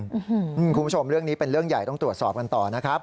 คุณผู้ชมเรื่องนี้เป็นเรื่องใหญ่ต้องตรวจสอบกันต่อนะครับ